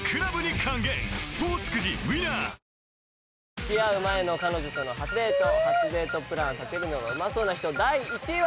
付き合う前の彼女との初デート初デートプランを立てるのがうまそうな人第１位は。